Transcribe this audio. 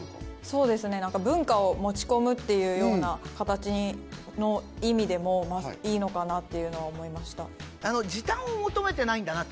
そうですねなんか文化を持ち込むっていうような形の意味でもいいのかなっていうのは思いました。